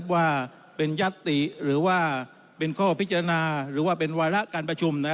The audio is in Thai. ว่าเป็นยัตติหรือว่าเป็นข้อพิจารณาหรือว่าเป็นวาระการประชุม